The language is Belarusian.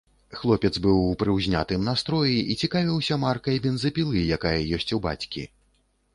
Хлопец быў у прыўзнятым настроі і цікавіўся маркай бензапілы, якая ёсць у бацькі.